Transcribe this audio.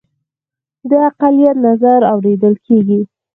د اقلیت نظر اوریدل کیږي؟